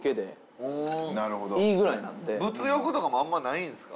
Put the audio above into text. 物欲とかもあんまないんすか？